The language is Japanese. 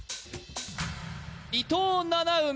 伊藤七海